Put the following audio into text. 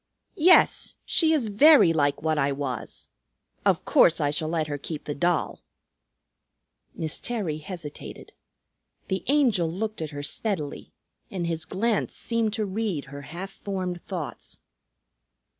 "Yes, she is very like what I was. Of course I shall let her keep the doll." Miss Terry hesitated. The Angel looked at her steadily and his glance seemed to read her half formed thoughts.